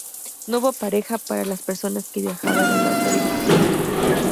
No hubo peaje para las personas que viajaban en la otra dirección.